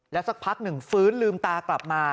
สักพักหนึ่งฟื้นลืมตากลับมา